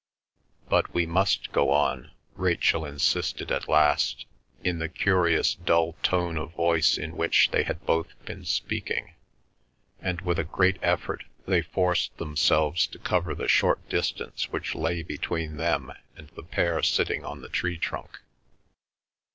"But we must go on," Rachel insisted at last, in the curious dull tone of voice in which they had both been speaking, and with a great effort they forced themselves to cover the short distance which lay between them and the pair sitting on the tree trunk.